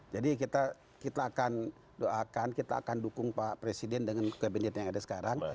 jadi kita akan doakan kita akan dukung pak presiden dengan kabinet yang ada sekarang